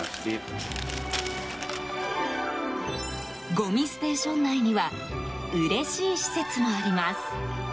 ごみステーション内にはうれしい施設もあります。